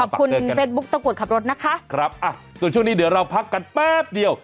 เฟสบุ๊คตะกรุดขับรถนะคะครับอ่ะส่วนช่วงนี้เดี๋ยวเราพักกันแป๊บเดียว